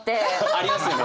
ありますよね。